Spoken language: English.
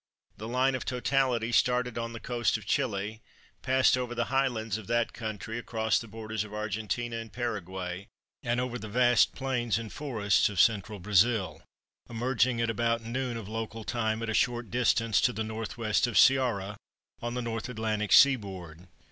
The line of totality started on the coast of Chili, passed over the highlands of that country, across the borders of Argentina and Paraguay, and over the vast plains and forests of Central Brazil, emerging at about noon of local time at a short distance to the N. W. of Ceara on the North Atlantic seaboard.